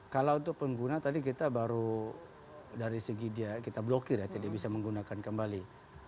kalau untuk pengguna tadi kita baru dari segi dia kita blokir ya tidak bisa menggunakan kembali